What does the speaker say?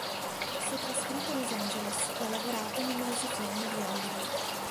Si è trasferito a Los Angeles e ha lavorato in numerosi film di Hollywood.